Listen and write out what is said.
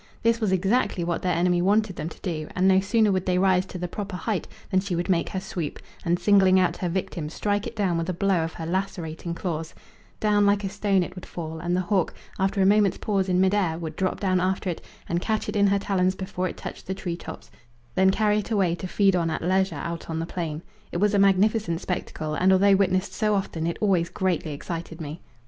This was exactly what their enemy wanted them to do, and no sooner would they rise to the proper height than she would make her swoop, and singling out her victim strike it down with a blow of her lacerating claws; down like a stone it would fall, and the hawk, after a moment's pause in mid air, would drop down after it and catch it in her talons before it touched the tree tops, then carry it away to feed on at leisure out on the plain. It was a magnificent spectacle, and although witnessed so often it always greatly excited me.